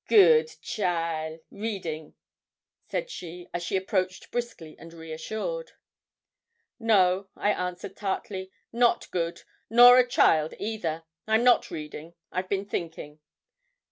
'Good cheaile! reading,' said she, as she approached briskly and reassured. 'No,' I answered tartly; 'not good, nor a child either; I'm not reading, I've been thinking.'